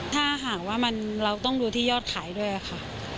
ถ้าหากว่าเราต้องดูที่ยอดขายด้วยค่ะ